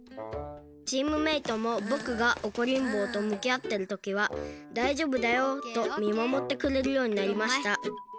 チームメートもぼくがおこりんぼうとむきあってるときは「だいじょうぶだよ」とみまもってくれるようになりました。